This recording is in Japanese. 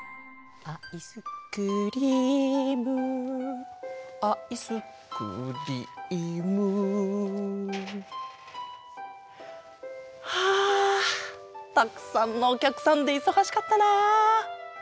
「アイスクリームアイスクリーム」はあたくさんのおきゃくさんでいそがしかったな。